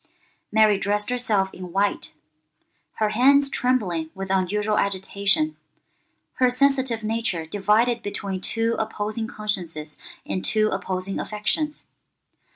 Mary dressed herself in white—her hands trembling with unusual agitation, her sensitive nature divided between two opposing consciences and two opposing affections.